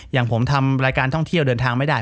อย่างผมทำรายการท่องเที่ยวเดินทางไม่ได้